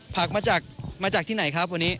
ผักมาจากมาจากที่ไหนครับวันนี้